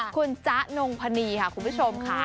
คุณจ๊ะนงพนีค่ะคุณผู้ชมค่ะ